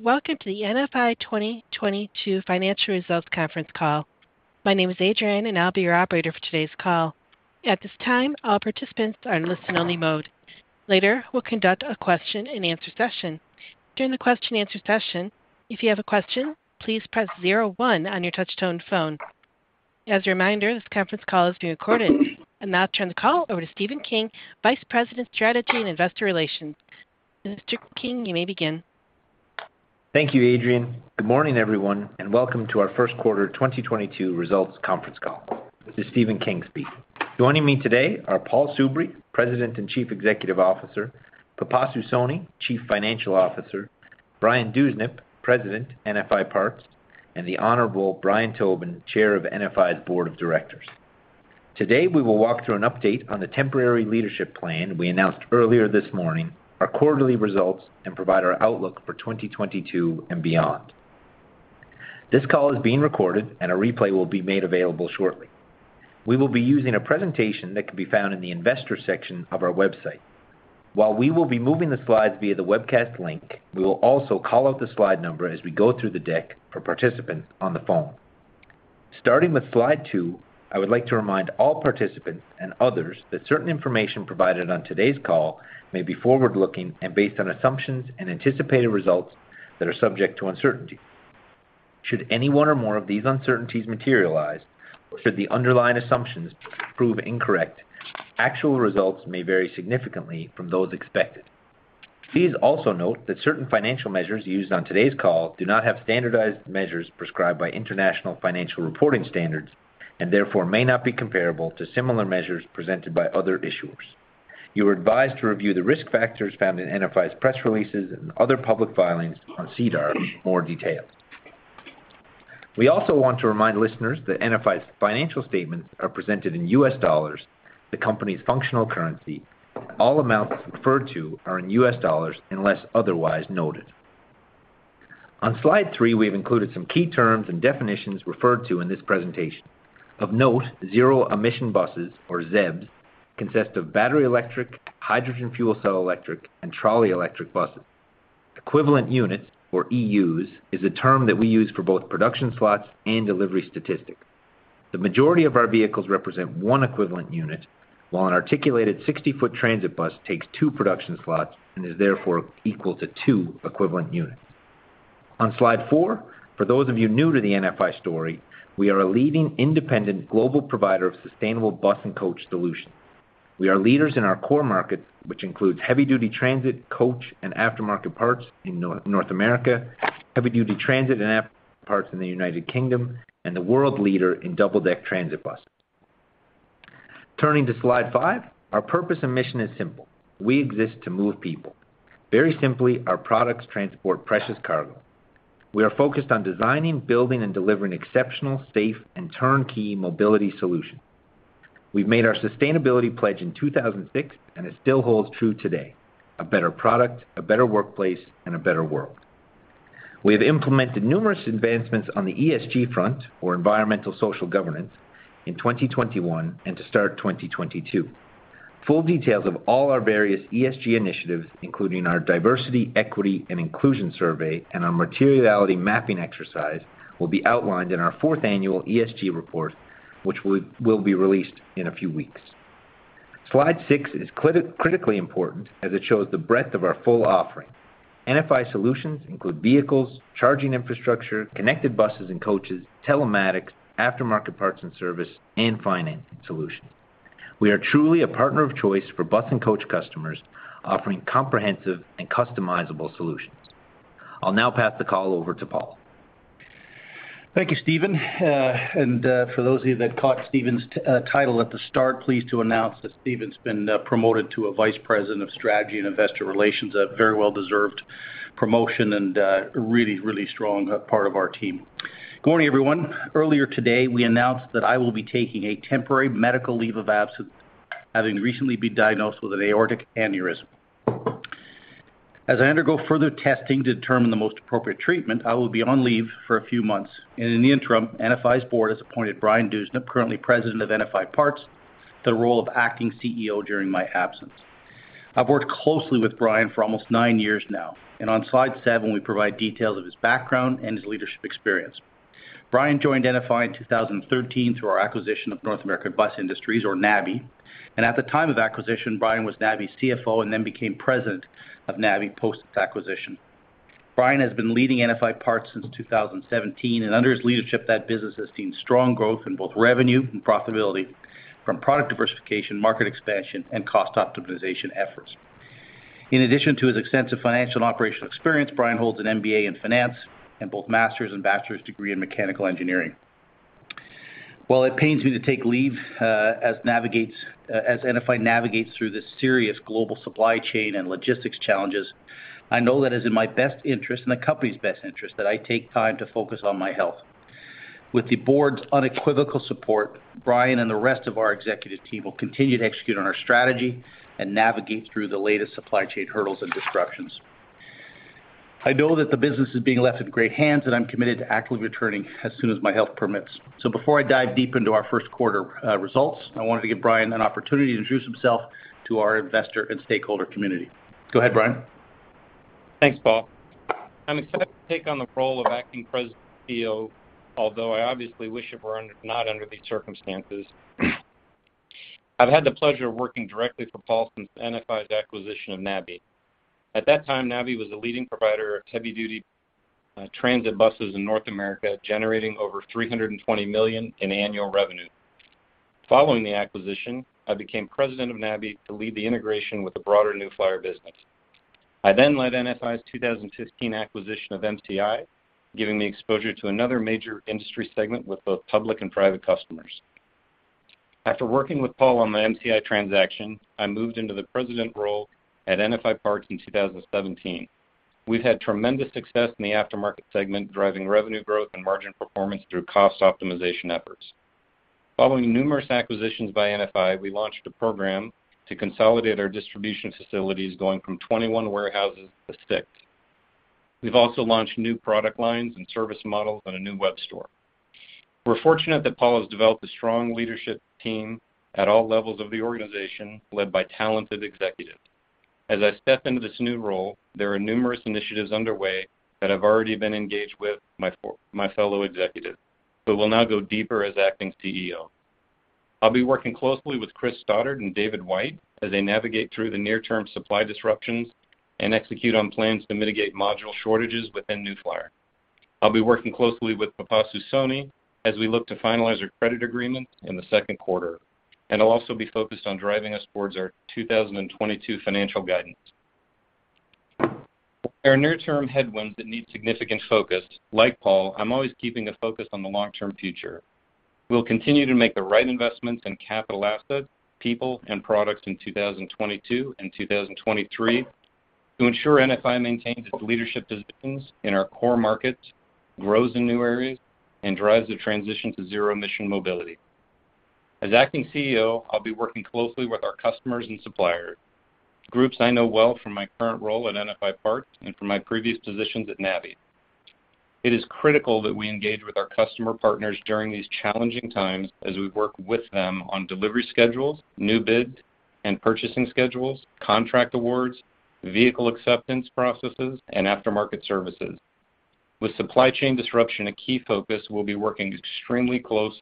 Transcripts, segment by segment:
Welcome to the NFI 2022 financial results conference call. My name is Adrian, and I'll be your operator for today's call. At this time, all participants are in listen only mode. Later, we'll conduct a question and answer session. During the question and answer session, if you have a question, please press zero one on your touchtone phone. As a reminder, this conference call is being recorded. I'll now turn the call over to Stephen King, Vice President, Strategy and Investor Relations. Mr. King, you may begin. Thank you, Adrian. Good morning, everyone, and welcome to our first quarter 2022 results conference call. This is Stephen King speaking. Joining me today are Paul Soubry, President and Chief Executive Officer, Pipasu Soni, Chief Financial Officer, Brian Dewsnup, President, NFI Parts, and the Honorable Brian Tobin, Chair of NFI's Board of Directors. Today, we will walk through an update on the temporary leadership plan we announced earlier this morning, our quarterly results, and provide our outlook for 2022 and beyond. This call is being recorded and a replay will be made available shortly. We will be using a presentation that can be found in the investor section of our website. While we will be moving the slides via the webcast link, we will also call out the slide number as we go through the deck for participants on the phone. Starting with slide two, I would like to remind all participants and others that certain information provided on today's call may be forward-looking and based on assumptions and anticipated results that are subject to uncertainty. Should any one or more of these uncertainties materialize, or should the underlying assumptions prove incorrect, actual results may vary significantly from those expected. Please also note that certain financial measures used on today's call do not have standardized measures prescribed by international financial reporting standards, and therefore may not be comparable to similar measures presented by other issuers. You are advised to review the risk factors found in NFI's press releases and other public filings on SEDAR for more detail. We also want to remind listeners that NFI's financial statements are presented in U.S. dollars, the company's functional currency. All amounts referred to are in U.S. dollars unless otherwise noted. On slide three, we have included some key terms and definitions referred to in this presentation. Of note, zero emission buses or ZEB consist of battery electric, hydrogen fuel cell electric, and trolley electric buses. Equivalent units or EUs is a term that we use for both production slots and delivery statistics. The majority of our vehicles represent 1 equivalent unit, while an articulated 60-foot transit bus takes 2 production slots and is therefore equal to 2 equivalent units. On slide four, for those of you new to the NFI story, we are a leading independent global provider of sustainable bus and coach solutions. We are leaders in our core markets, which includes heavy-duty transit, coach, and aftermarket parts in North America, heavy-duty transit and aftermarket parts in the United Kingdom, and the world leader in double-deck transit buses. Turning to slide five, our purpose and mission is simple: We exist to move people. Very simply, our products transport precious cargo. We are focused on designing, building, and delivering exceptional, safe, and turnkey mobility solution. We've made our sustainability pledge in 2006, and it still holds true today. A better product, a better workplace, and a better world. We have implemented numerous advancements on the ESG front, or environmental social governance, in 2021 and to start 2022. Full details of all our various ESG initiatives, including our diversity, equity, and inclusion survey and our materiality mapping exercise, will be outlined in our fourth annual ESG report, which will be released in a few weeks. Slide six is critically important as it shows the breadth of our full offering. NFI solutions include vehicles, charging infrastructure, connected buses and coaches, telematics, aftermarket parts and service, and financing solutions. We are truly a partner of choice for bus and coach customers, offering comprehensive and customizable solutions. I'll now pass the call over to Paul. Thank you, Stephen. For those of you that caught Stephen's title at the start, pleased to announce that Stephen's been promoted to a Vice President of Strategy and Investor Relations, a very well-deserved promotion and a really strong part of our team. Good morning, everyone. Earlier today, we announced that I will be taking a temporary medical leave of absence, having recently been diagnosed with an aortic aneurysm. As I undergo further testing to determine the most appropriate treatment, I will be on leave for a few months. In the interim, NFI's board has appointed Brian Dewsnup, currently President of NFI Parts, the role of acting CEO during my absence. I've worked closely with Brian for almost nine years now, and on slide seven, we provide details of his background and his leadership experience. Brian joined NFI in 2013 through our acquisition of North American Bus Industries, or NABI. At the time of acquisition, Brian was NABI's CFO and then became President of NABI post its acquisition. Brian has been leading NFI Parts since 2017, and under his leadership, that business has seen strong growth in both revenue and profitability from product diversification, market expansion, and cost optimization efforts. In addition to his extensive financial and operational experience, Brian holds an MBA in finance and both Master's and Bachelor's degree in mechanical engineering. While it pains me to take leave, as NFI navigates through the serious global supply chain and logistics challenges, I know that it is in my best interest and the company's best interest that I take time to focus on my health. With the board's unequivocal support, Brian and the rest of our executive team will continue to execute on our strategy and navigate through the latest supply chain hurdles and disruptions. I know that the business is being left in great hands, and I'm committed to actively returning as soon as my health permits. Before I dive deep into our first quarter results, I wanted to give Brian an opportunity to introduce himself to our investor and stakeholder community. Go ahead, Brian. Thanks, Paul. I'm excited to take on the role of acting president and CEO, although I obviously wish it were not under these circumstances. I've had the pleasure of working directly for Paul since NFI's acquisition of NABI. At that time, NABI was a leading provider of heavy-duty transit buses in North America, generating over $320 million in annual revenue. Following the acquisition, I became president of NABI to lead the integration with the broader New Flyer business. I then led NFI's 2015 acquisition of MCI, giving me exposure to another major industry segment with both public and private customers. After working with Paul on the MCI transaction, I moved into the president role at NFI Parts in 2017. We've had tremendous success in the aftermarket segment, driving revenue growth and margin performance through cost optimization efforts. Following numerous acquisitions by NFI, we launched a program to consolidate our distribution facilities, going from 21 warehouses to six. We've also launched new product lines and service models on a new web store. We're fortunate that Paul has developed a strong leadership team at all levels of the organization, led by talented executives. As I step into this new role, there are numerous initiatives underway that I've already been engaged with my fellow executives, but will now go deeper as acting CEO. I'll be working closely with Chris Stoddart and David White as they navigate through the near-term supply disruptions and execute on plans to mitigate module shortages within New Flyer. I'll be working closely with Pipasu Soni as we look to finalize our credit agreement in the second quarter, and I'll also be focused on driving us towards our 2022 financial guidance. There are near-term headwinds that need significant focus. Like Paul, I'm always keeping a focus on the long-term future. We'll continue to make the right investments in capital assets, people, and products in 2022 and 2023 to ensure NFI maintains its leadership positions in our core markets, grows in new areas, and drives the transition to zero-emission mobility. As acting CEO, I'll be working closely with our customers and suppliers, groups I know well from my current role at NFI Parts and from my previous positions at Navya. It is critical that we engage with our customer partners during these challenging times as we work with them on delivery schedules, new bids and purchasing schedules, contract awards, vehicle acceptance processes, and aftermarket services. With supply chain disruption a key focus, we'll be working extremely close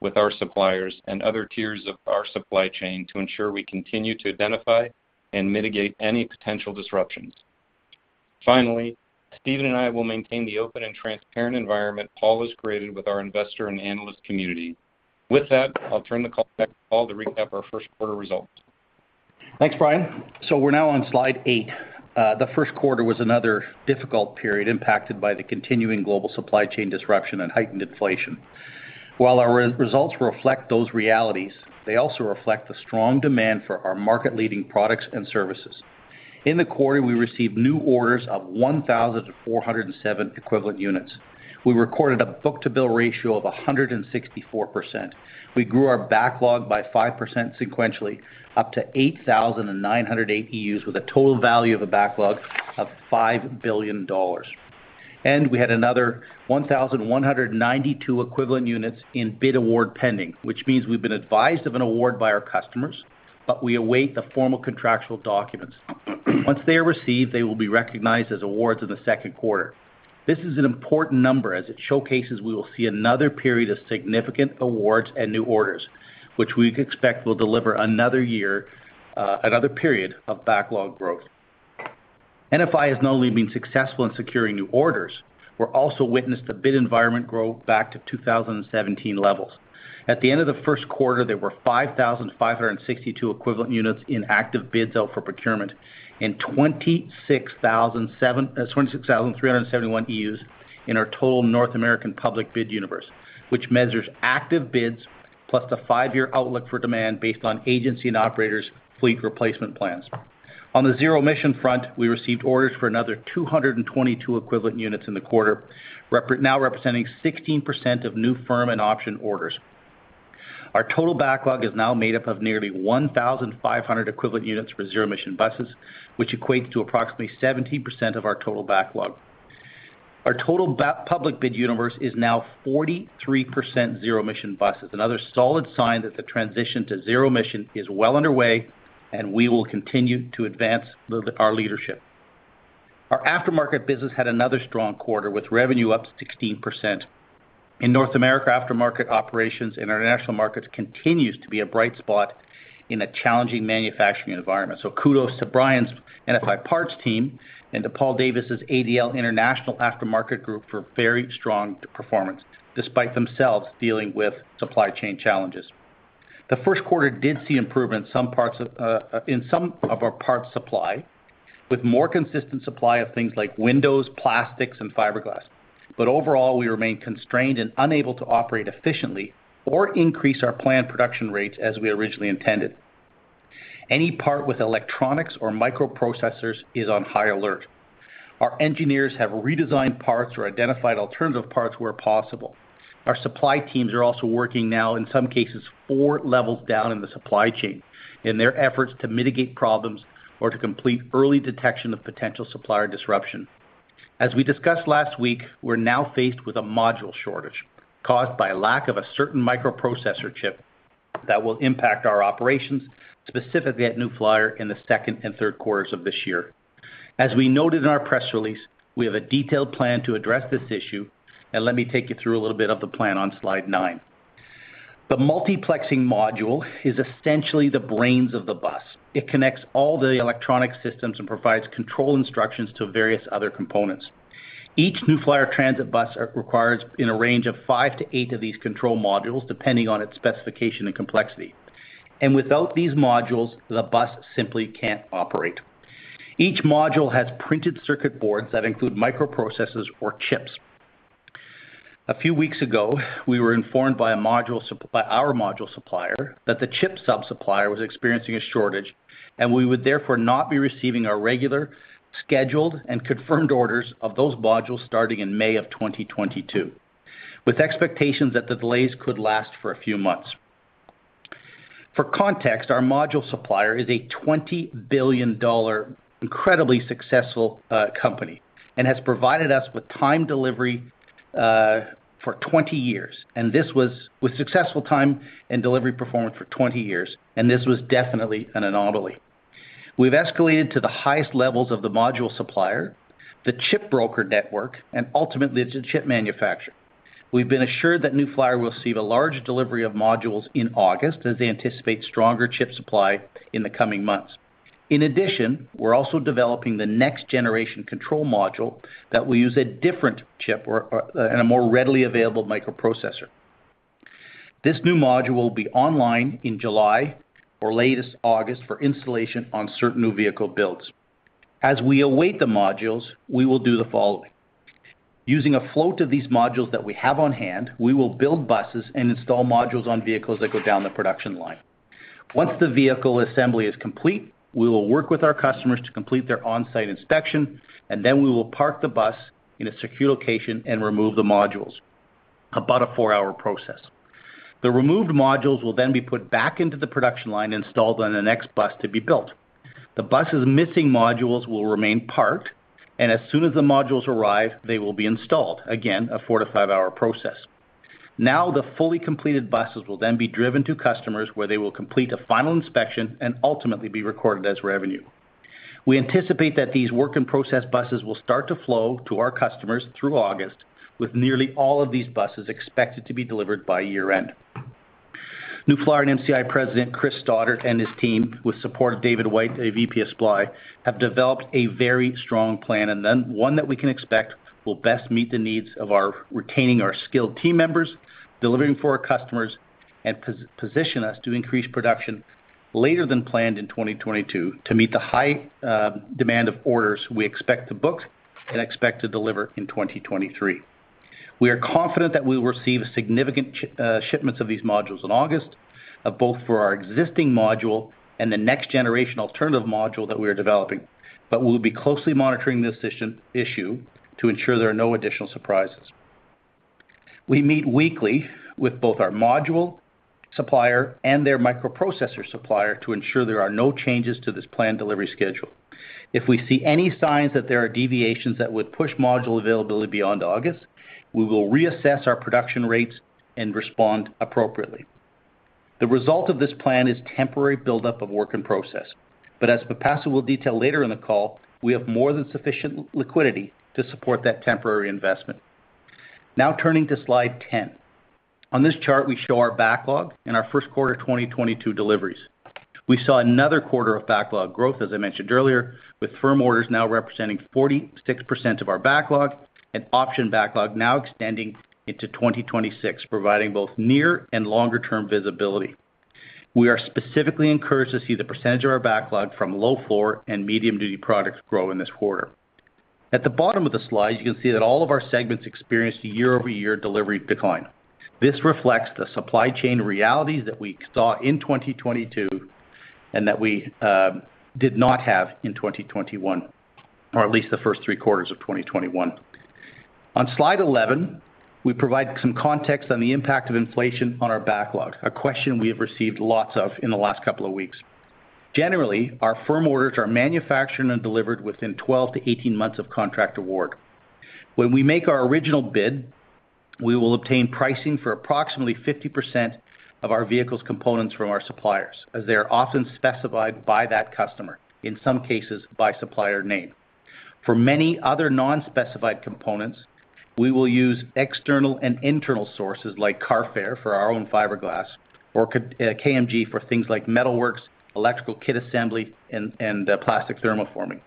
with our suppliers and other tiers of our supply chain to ensure we continue to identify and mitigate any potential disruptions. Finally, Stephen and I will maintain the open and transparent environment Paul has created with our investor and analyst community. With that, I'll turn the call back to Paul to recap our first quarter results. Thanks, Brian. We're now on slide eight. The first quarter was another difficult period impacted by the continuing global supply chain disruption and heightened inflation. While our results reflect those realities, they also reflect the strong demand for our market-leading products and services. In the quarter, we received new orders of 1,407 equivalent units. We recorded a book-to-bill ratio of 164%. We grew our backlog by 5% sequentially, up to 8,908 EUs, with a total value of a backlog of $5 billion. We had another 1,192 equivalent units in bid award pending, which means we've been advised of an award by our customers, but we await the formal contractual documents. Once they are received, they will be recognized as awards in the second quarter. This is an important number as it showcases we will see another period of significant awards and new orders, which we expect will deliver another year, another period of backlog growth. NFI has not only been successful in securing new orders, we're also witnessed the bid environment grow back to 2017 levels. At the end of the first quarter, there were 5,562 equivalent units in active bids out for procurement and 26,371 EUs in our total North American public bid universe, which measures active bids plus the five-year outlook for demand based on agency and operators' fleet replacement plans. On the zero-emission front, we received orders for another 222 equivalent units in the quarter, now representing 16% of new firm and option orders. Our total backlog is now made up of nearly 1,500 equivalent units for zero-emission buses, which equates to approximately 70% of our total backlog. Our total public bid universe is now 43% zero-emission buses, another solid sign that the transition to zero emission is well underway and we will continue to advance our leadership. Our aftermarket business had another strong quarter, with revenue up 16%. In North America, aftermarket operations in our international markets continues to be a bright spot in a challenging manufacturing environment. Kudos to Brian's NFI Parts team and to Paul Davies' ADL International Aftermarket Group for very strong performance, despite themselves dealing with supply chain challenges. The first quarter did see improvement in some of our parts supply, with more consistent supply of things like windows, plastics, and fiberglass. Overall, we remain constrained and unable to operate efficiently or increase our planned production rates as we originally intended. Any part with electronics or microprocessors is on high alert. Our engineers have redesigned parts or identified alternative parts where possible. Our supply teams are also working now, in some cases, four levels down in the supply chain in their efforts to mitigate problems or to complete early detection of potential supplier disruption. As we discussed last week, we're now faced with a module shortage caused by lack of a certain microprocessor chip that will impact our operations, specifically at New Flyer in the second and third quarters of this year. As we noted in our press release, we have a detailed plan to address this issue, and let me take you through a little bit of the plan on slide nine. The multiplexing module is essentially the brains of the bus. It connects all the electronic systems and provides control instructions to various other components. Each New Flyer transit bus requires in a range of 5-8 of these control modules, depending on its specification and complexity. Without these modules, the bus simply can't operate. Each module has printed circuit boards that include microprocessors or chips. A few weeks ago, we were informed by our module supplier that the chip sub-supplier was experiencing a shortage, and we would therefore not be receiving our regular scheduled and confirmed orders of those modules starting in May of 2022, with expectations that the delays could last for a few months. For context, our module supplier is a $20 billion incredibly successful company and has provided us with on-time delivery for 20 years, and this was with successful on-time delivery performance for 20 years, and this was definitely an anomaly. We've escalated to the highest levels of the module supplier, the chip broker network, and ultimately to chip manufacturer. We've been assured that New Flyer will receive a large delivery of modules in August as they anticipate stronger chip supply in the coming months. In addition, we're also developing the next generation control module that will use a different chip or and a more readily available microprocessor. This new module will be online in July or latest August for installation on certain new vehicle builds. As we await the modules, we will do the following. Using a float of these modules that we have on hand, we will build buses and install modules on vehicles that go down the production line. Once the vehicle assembly is complete, we will work with our customers to complete their on-site inspection, and then we will park the bus in a secure location and remove the modules. About a 4-hour process. The removed modules will then be put back into the production line installed on the next bus to be built. The buses missing modules will remain parked, and as soon as the modules arrive, they will be installed. Again, a 4-5-hour process. Now, the fully completed buses will then be driven to customers where they will complete a final inspection and ultimately be recorded as revenue. We anticipate that these work in process buses will start to flow to our customers through August with nearly all of these buses expected to be delivered by year-end. New Flyer and MCI President Chris Stoddart and his team with support of David White, a VP of Supply, have developed a very strong plan, and then one that we can expect will best meet the needs of our retaining our skilled team members, delivering for our customers, and position us to increase production later than planned in 2022 to meet the high demand of orders we expect to book and expect to deliver in 2023. We are confident that we will receive significant shipments of these modules in August, both for our existing module and the next generation alternative module that we are developing. We'll be closely monitoring this issue to ensure there are no additional surprises. We meet weekly with both our module supplier and their microprocessor supplier to ensure there are no changes to this planned delivery schedule. If we see any signs that there are deviations that would push module availability beyond August, we will reassess our production rates and respond appropriately. The result of this plan is temporary buildup of work in process. As Pipasu will detail later in the call, we have more than sufficient liquidity to support that temporary investment. Now turning to slide 10. On this chart, we show our backlog in our first quarter 2022 deliveries. We saw another quarter of backlog growth, as I mentioned earlier, with firm orders now representing 46% of our backlog and option backlog now extending into 2026, providing both near and longer term visibility. We are specifically encouraged to see the percentage of our backlog from low floor and medium-duty products grow in this quarter. At the bottom of the slide, you can see that all of our segments experienced a year-over-year delivery decline. This reflects the supply chain realities that we saw in 2022 and that we did not have in 2021, or at least the first three quarters of 2021. On slide 11, we provide some context on the impact of inflation on our backlog, a question we have received lots of in the last couple of weeks. Generally, our firm orders are manufactured and delivered within 12-18 months of contract award. When we make our original bid, we will obtain pricing for approximately 50% of our vehicles' components from our suppliers, as they are often specified by that customer, in some cases by supplier name. For many other non-specified components, we will use external and internal sources like Carfair for our own fiberglass or KMG for things like metal works, electrical kit assembly, and plastic thermoforming.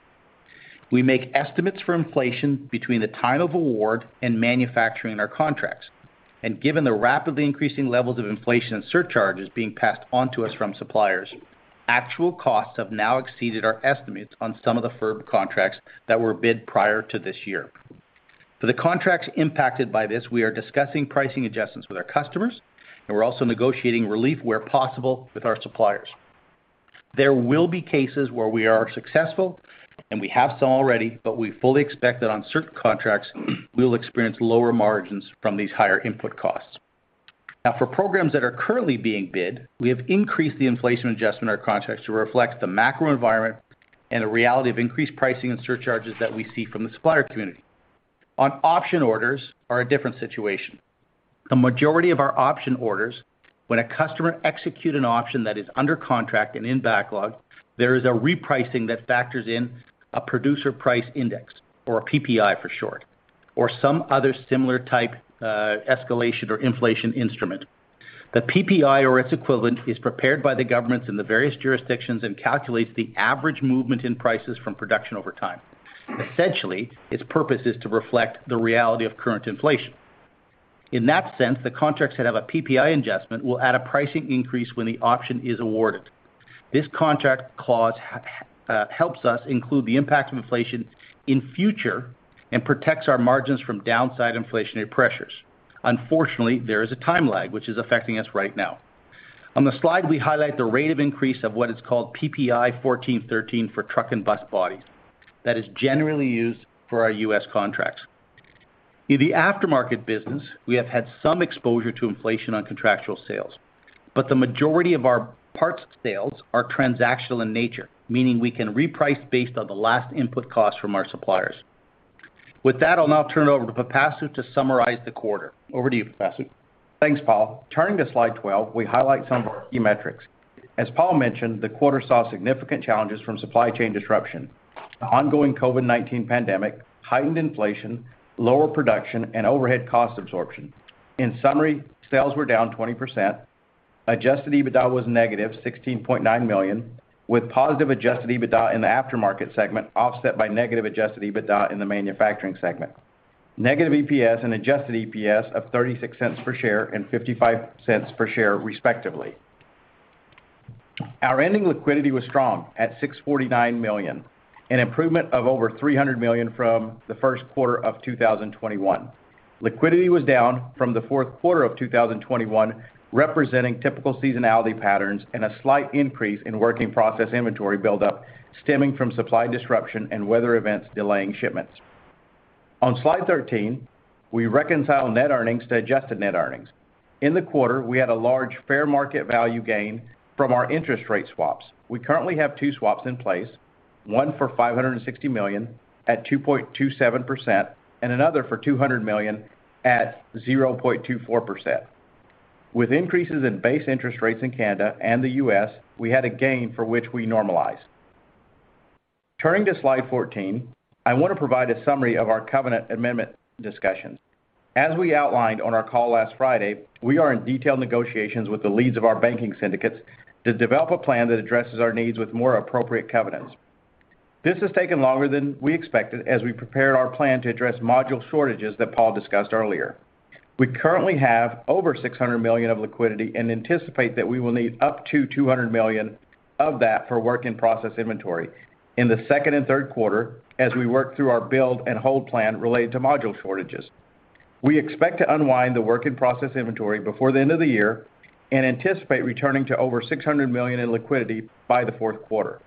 We make estimates for inflation between the time of award and manufacturing our contracts. Given the rapidly increasing levels of inflation and surcharges being passed on to us from suppliers, actual costs have now exceeded our estimates on some of the firm contracts that were bid prior to this year. For the contracts impacted by this, we are discussing pricing adjustments with our customers, and we're also negotiating relief where possible with our suppliers. There will be cases where we are successful, and we have some already, but we fully expect that on certain contracts, we'll experience lower margins from these higher input costs. Now, for programs that are currently being bid, we have increased the inflation adjustment or contracts to reflect the macro environment and the reality of increased pricing and surcharges that we see from the supplier community. On option orders are a different situation. The majority of our option orders, when a customer execute an option that is under contract and in backlog, there is a repricing that factors in a producer price index or a PPI for short, or some other similar type, escalation or inflation instrument. The PPI or its equivalent is prepared by the governments in the various jurisdictions and calculates the average movement in prices from production over time. Essentially, its purpose is to reflect the reality of current inflation. In that sense, the contracts that have a PPI adjustment will add a pricing increase when the option is awarded. This contract clause helps us include the impact of inflation in future and protects our margins from downside inflationary pressures. Unfortunately, there is a time lag which is affecting us right now. On the slide, we highlight the rate of increase of what is called PPI 1413 for truck and bus bodies that is generally used for our U.S. contracts. In the aftermarket business, we have had some exposure to inflation on contractual sales, but the majority of our parts sales are transactional in nature, meaning we can reprice based on the last input cost from our suppliers. With that, I'll now turn it over to Pipasu to summarize the quarter. Over to you, Pipasu. Thanks, Paul. Turning to slide 12, we highlight some of our key metrics. As Paul mentioned, the quarter saw significant challenges from supply chain disruption, the ongoing COVID-19 pandemic, heightened inflation, lower production, and overhead cost absorption. In summary, sales were down 20%. Adjusted EBITDA was negative $16.9 million, with positive adjusted EBITDA in the aftermarket segment, offset by negative adjusted EBITDA in the manufacturing segment. Negative EPS and adjusted EPS of $0.36 per share and $0.55 per share, respectively. Our ending liquidity was strong at $649 million, an improvement of over $300 million from the first quarter of 2021. Liquidity was down from the fourth quarter of 2021, representing typical seasonality patterns and a slight increase in work in process inventory buildup stemming from supply disruption and weather events delaying shipments. On slide 13, we reconcile net earnings to adjusted net earnings. In the quarter, we had a large fair market value gain from our interest rate swaps. We currently have two swaps in place, one for $560 million at 2.27% and another for $200 million at 0.24%. With increases in base interest rates in Canada and the U.S., we had a gain for which we normalized. Turning to slide 14, I want to provide a summary of our covenant amendment discussions. As we outlined on our call last Friday, we are in detailed negotiations with the leads of our banking syndicates to develop a plan that addresses our needs with more appropriate covenants. This has taken longer than we expected as we prepared our plan to address module shortages that Paul discussed earlier. We currently have over $600 million of liquidity and anticipate that we will need up to $200 million of that for work in process inventory in the second and third quarter as we work through our build and hold plan related to module shortages. We expect to unwind the work in process inventory before the end of the year and anticipate returning to over $600 million in liquidity by the fourth quarter.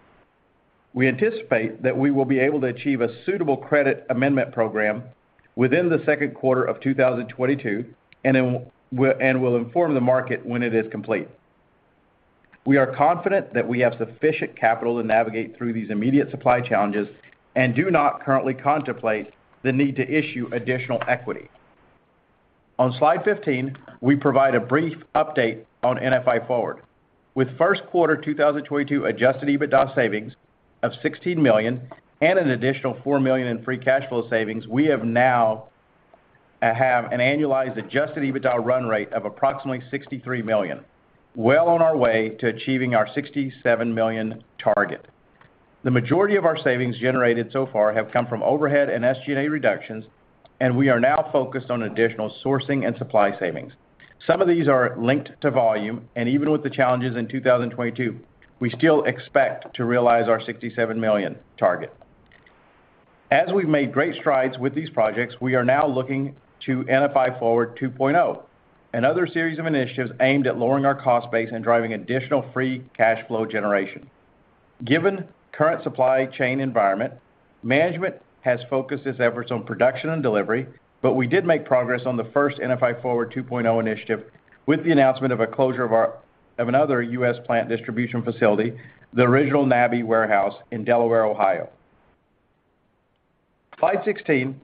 We anticipate that we will be able to achieve a suitable credit amendment program within the second quarter of 2022, and then we'll inform the market when it is complete. We are confident that we have sufficient capital to navigate through these immediate supply challenges and do not currently contemplate the need to issue additional equity. On slide 15, we provide a brief update on NFI Forward. With first quarter 2022 adjusted EBITDA savings of $16 million and an additional $4 million in free cash flow savings, we have now an annualized adjusted EBITDA run rate of approximately $63 million, well on our way to achieving our $67 million target. The majority of our savings generated so far have come from overhead and SG&A reductions, and we are now focused on additional sourcing and supply savings. Some of these are linked to volume, and even with the challenges in 2022, we still expect to realize our $67 million target. As we've made great strides with these projects, we are now looking to NFI Forward 2.0, another series of initiatives aimed at lowering our cost base and driving additional free cash flow generation. Given current supply chain environment, management has focused its efforts on production and delivery, but we did make progress on the first NFI Forward 2.0 initiative with the announcement of a closure of our of another U.S. plant distribution facility, the original NABI warehouse in Delaware, Ohio. Slide 16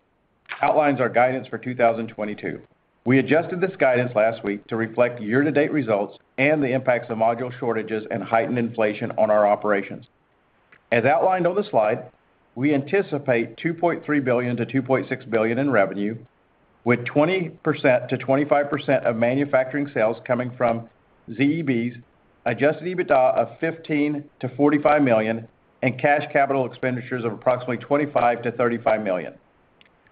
outlines our guidance for 2022. We adjusted this guidance last week to reflect year-to-date results and the impacts of module shortages and heightened inflation on our operations. As outlined on the slide, we anticipate $2.3 billion-$2.6 billion in revenue, with 20%-25% of manufacturing sales coming from ZEBs Adjusted EBITDA of $15 million-$45 million and cash capital expenditures of approximately $25 million-$35 million.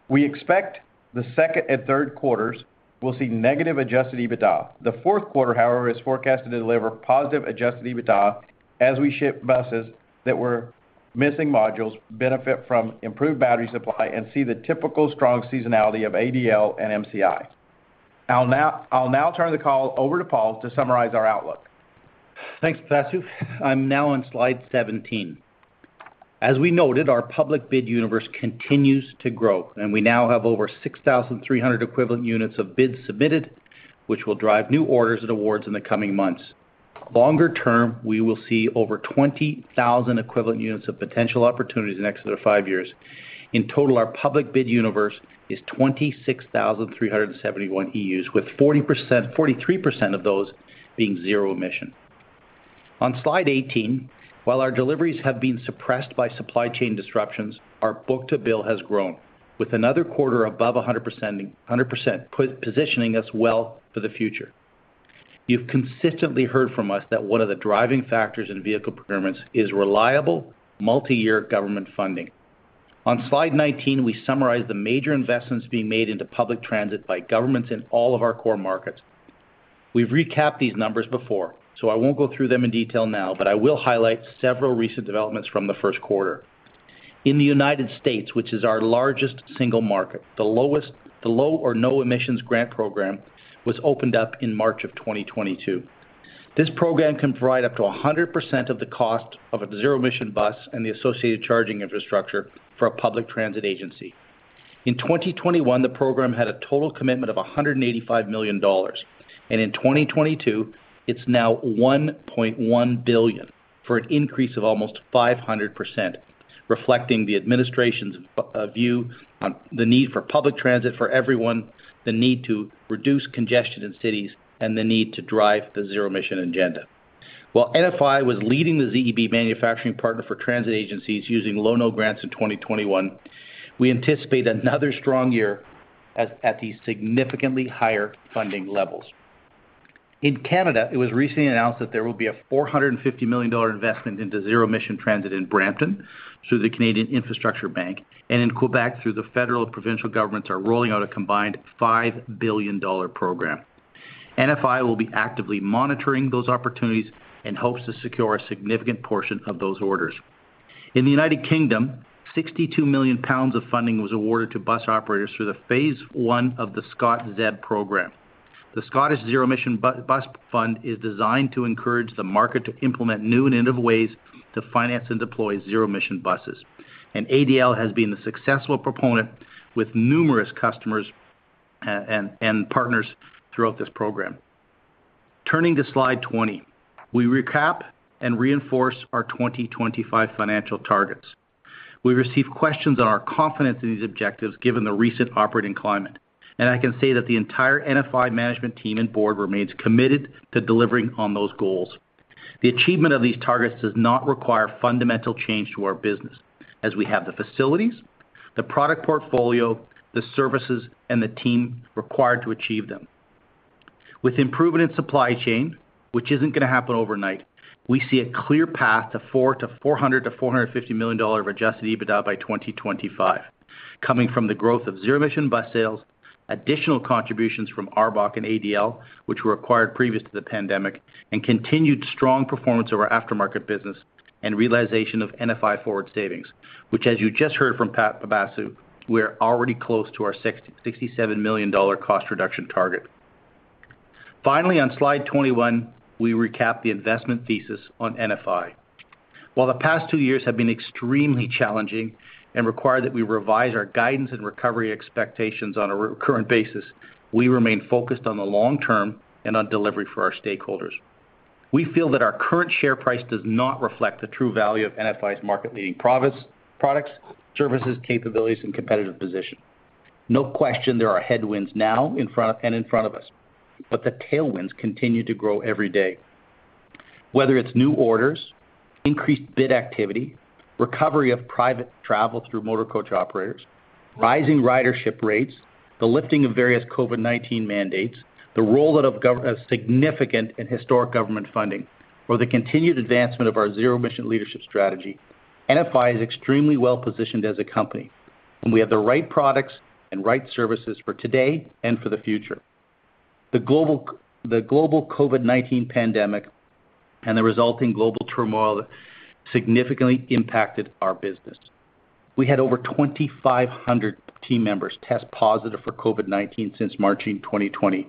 We expect the second and third quarters will see negative Adjusted EBITDA. The fourth quarter, however, is forecasted to deliver positive Adjusted EBITDA as we ship buses that were missing modules, benefit from improved battery supply, and see the typical strong seasonality of ADL and MCI. I'll now turn the call over to Paul to summarize our outlook. Thanks, Pipasu. I'm now on slide 17. As we noted, our public bid universe continues to grow, and we now have over 6,300 equivalent units of bids submitted, which will drive new orders and awards in the coming months. Longer term, we will see over 20,000 equivalent units of potential opportunities in the next five years. In total, our public bid universe is 26,371 EUs, with 43% of those being zero-emission. On slide 18, while our deliveries have been suppressed by supply chain disruptions, our book-to-bill has grown, with another quarter above 100%, positioning us well for the future. You've consistently heard from us that one of the driving factors in vehicle procurements is reliable multi-year government funding. On slide 19, we summarize the major investments being made into public transit by governments in all of our core markets. We've recapped these numbers before, so I won't go through them in detail now, but I will highlight several recent developments from the first quarter. In the United States, which is our largest single market, the Low or No Emission Grant Program was opened up in March of 2022. This program can provide up to 100% of the cost of a zero-emission bus and the associated charging infrastructure for a public transit agency. In 2021, the program had a total commitment of $185 million, and in 2022, it's now $1.1 billion, for an increase of almost 500%, reflecting the administration's view on the need for public transit for everyone, the need to reduce congestion in cities, and the need to drive the zero-emission agenda. While NFI was leading the ZEB manufacturing partner for transit agencies using Low or No Grants in 2021, we anticipate another strong year at these significantly higher funding levels. In Canada, it was recently announced that there will be a 450 million dollar investment into zero-emission transit in Brampton through the Canadian Infrastructure Bank, and in Quebec, through the federal and provincial governments, are rolling out a combined 5 billion dollar program. NFI will be actively monitoring those opportunities and hopes to secure a significant portion of those orders. In the United Kingdom, 62 million pounds of funding was awarded to bus operators through phase one of the ScotZEB program. The Scottish Zero Emission Bus Challenge Fund is designed to encourage the market to implement new and innovative ways to finance and deploy zero emission buses. ADL has been a successful proponent with numerous customers and partners throughout this program. Turning to slide 20, we recap and reinforce our 2025 financial targets. We receive questions on our confidence in these objectives given the recent operating climate, and I can say that the entire NFI management team and board remains committed to delivering on those goals. The achievement of these targets does not require fundamental change to our business, as we have the facilities, the product portfolio, the services, and the team required to achieve them. With improvement in supply chain, which isn't going to happen overnight, we see a clear path to $400 million-$450 million of Adjusted EBITDA by 2025 coming from the growth of zero-emission bus sales, additional contributions from ARBOC and ADL, which were acquired previous to the pandemic, and continued strong performance of our aftermarket business and realization of NFI Forward savings, which, as you just heard from Pipasu Soni, we're already close to our $67 million cost reduction target. Finally, on slide 21, we recap the investment thesis on NFI. While the past two years have been extremely challenging and require that we revise our guidance and recovery expectations on a recurrent basis, we remain focused on the long term and on delivery for our stakeholders. We feel that our current share price does not reflect the true value of NFI's market-leading products, services, capabilities, and competitive position. No question there are headwinds now in front of us, but the tailwinds continue to grow every day. Whether it's new orders, increased bid activity, recovery of private travel through motor coach operators, rising ridership rates, the lifting of various COVID-19 mandates, the rollout of significant and historic government funding, or the continued advancement of our zero emission leadership strategy, NFI is extremely well-positioned as a company, and we have the right products and right services for today and for the future. The global COVID-19 pandemic and the resulting global turmoil significantly impacted our business. We had over 2,500 team members test positive for COVID-19 since March in 2020,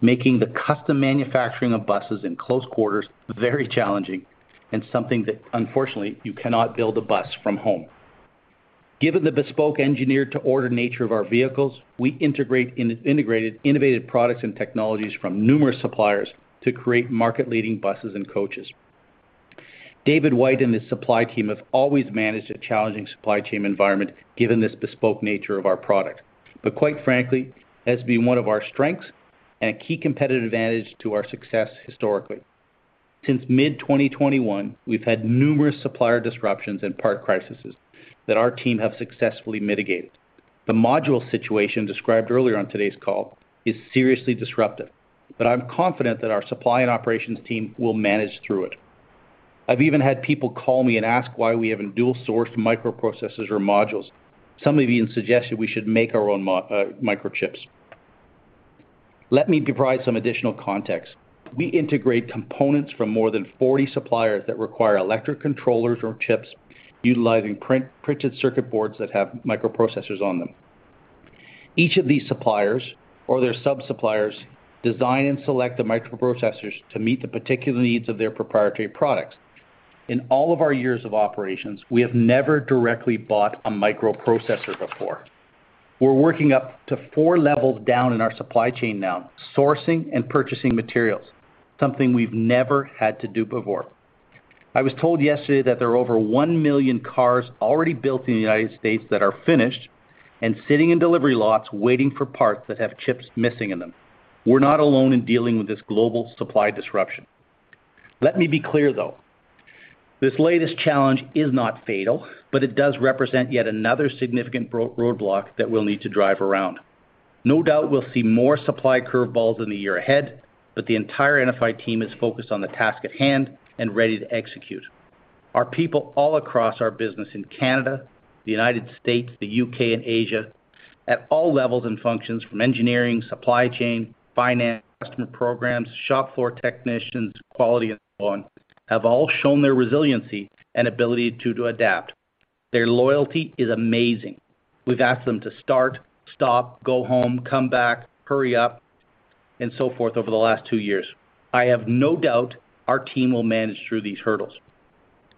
making the custom manufacturing of buses in close quarters very challenging and something that, unfortunately, you cannot build a bus from home. Given the bespoke engineer to order nature of our vehicles, we integrate innovative products and technologies from numerous suppliers to create market-leading buses and coaches. David White and his supply team have always managed a challenging supply chain environment given this bespoke nature of our product. Quite frankly, it has been one of our strengths and a key competitive advantage to our success historically. Since mid-2021, we've had numerous supplier disruptions and part crises that our team have successfully mitigated. The module situation described earlier on today's call is seriously disruptive, but I'm confident that our supply and operations team will manage through it. I've even had people call me and ask why we haven't dual-sourced microprocessors or modules. Some have even suggested we should make our own microchips. Let me provide some additional context. We integrate components from more than 40 suppliers that require electric controllers or chips utilizing printed circuit boards that have microprocessors on them. Each of these suppliers or their sub-suppliers design and select the microprocessors to meet the particular needs of their proprietary products. In all of our years of operations, we have never directly bought a microprocessor before. We're working up to 4 levels down in our supply chain now, sourcing and purchasing materials, something we've never had to do before. I was told yesterday that there are over 1 million cars already built in the United States that are finished and sitting in delivery lots waiting for parts that have chips missing in them. We're not alone in dealing with this global supply disruption. Let me be clear, though. This latest challenge is not fatal, but it does represent yet another significant roadblock that we'll need to drive around. No doubt we'll see more supply curveballs in the year ahead, but the entire NFI team is focused on the task at hand and ready to execute. Our people all across our business in Canada, the United States, the U.K. and Asia, at all levels and functions from engineering, supply chain, finance, customer programs, shop floor technicians, quality and so on, have all shown their resiliency and ability to adapt. Their loyalty is amazing. We've asked them to start, stop, go home, come back, hurry up, and so forth over the last two years. I have no doubt our team will manage through these hurdles.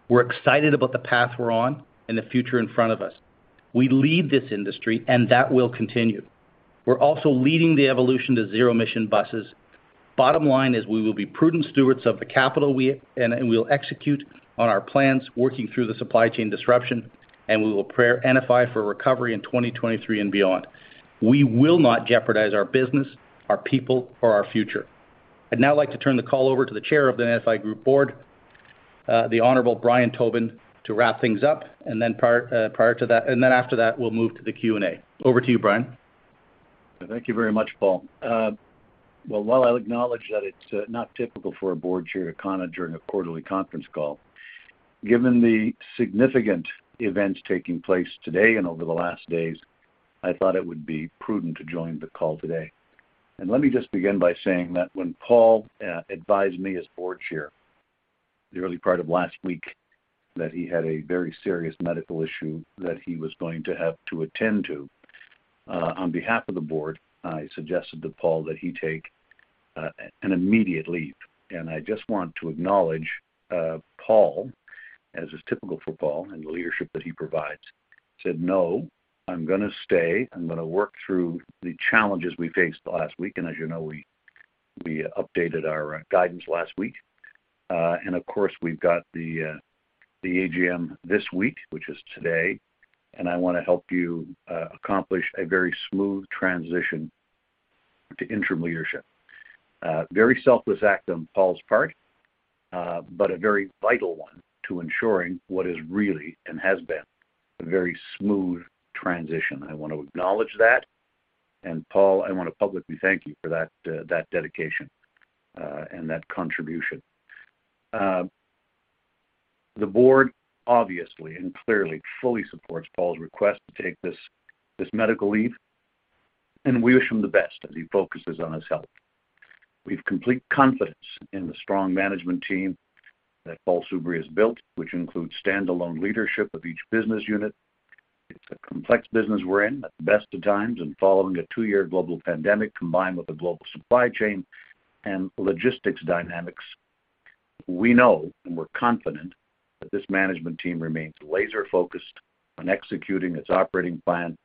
We're excited about the path we're on and the future in front of us. We lead this industry and that will continue. We're also leading the evolution to zero-emission buses. Bottom line is we will be prudent stewards of the capital and we'll execute on our plans working through the supply chain disruption, and we will prepare NFI for recovery in 2023 and beyond. We will not jeopardize our business, our people, or our future. I'd now like to turn the call over to the Chair of the NFI Group board, the Honorable Brian Tobin, to wrap things up. Then after that, we'll move to the Q&A. Over to you, Brian. Thank you very much, Paul. Well, while I acknowledge that it's not typical for a board chair to comment during a quarterly conference call, given the significant events taking place today and over the last days, I thought it would be prudent to join the call today. Let me just begin by saying that when Paul advised me as board chair the early part of last week that he had a very serious medical issue that he was going to have to attend to, on behalf of the board, I suggested to Paul that he take an immediate leave. I just want to acknowledge Paul, as is typical for Paul and the leadership that he provides, said, "No, I'm gonna stay. I'm gonna work through the challenges we faced last week." As you know, we updated our guidance last week. Of course, we've got the AGM this week, which is today. I want to help you accomplish a very smooth transition to interim leadership. Very selfless act on Paul's part, but a very vital one to ensuring what is really, and has been, a very smooth transition. I want to acknowledge that. Paul, I want to publicly thank you for that dedication and that contribution. The board obviously and clearly fully supports Paul's request to take this medical leave, and we wish him the best as he focuses on his health. We have complete confidence in the strong management team that Paul Soubry has built, which includes standalone leadership of each business unit. It's a complex business we're in at the best of times, and following a two-year global pandemic combined with the global supply chain and logistics dynamics, we know and we're confident that this management team remains laser-focused on executing its operating plan